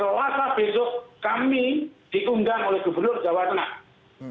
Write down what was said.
selasa besok kami diundang oleh gubernur jawa tengah